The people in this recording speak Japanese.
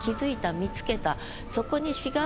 見つけた。